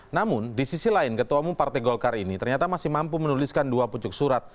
namun di sisi lain ketua umum partai golkar ini ternyata masih mampu menuliskan dua pucuk surat